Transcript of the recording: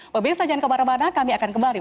pemirsa jangan kemana mana kami akan kembali